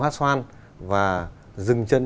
hát xoan và dừng chân